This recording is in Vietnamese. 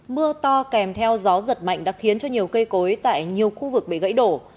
mưa to kèm theo gió giật mạnh đã khiến cho nhiều cây cối tại nhiều khu vực bị gãy đổ